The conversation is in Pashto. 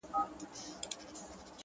څانګه یم وچېږمه، ماتېږم ته به نه ژاړې.!